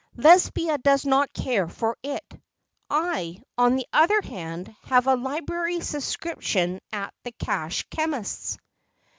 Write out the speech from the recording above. "Lesbia does not care for it. I, on the other hand, have a library subscription at the cash chemist's."